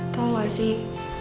tau nggak sih